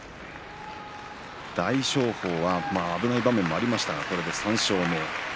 大翔鵬は危ない場面もありましたがこれで３勝目。